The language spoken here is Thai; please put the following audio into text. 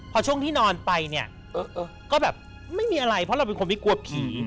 พอช่วงที่นอนไปเนี่ยก็แบบไม่มีอะไรเพราะเราเป็นคนที่กลัวผี